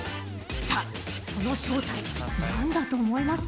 さあ、その正体何だと思いますか。